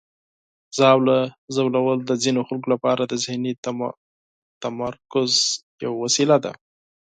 ژاوله ژوول د ځینو خلکو لپاره د ذهني تمرکز یوه وسیله ده.